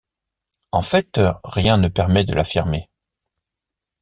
En fait, rien ne permet de l'affirmer.